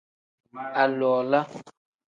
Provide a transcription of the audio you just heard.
Aliwala.